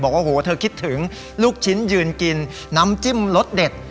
บอกว่าโหเธอคิดถึงลูกชิ้นยืนกินน้ำจิ้มรสเด็ด